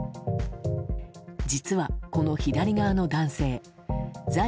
実は、この左側の男性在